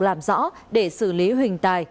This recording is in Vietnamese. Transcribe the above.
làm rõ để xử lý huỳnh tài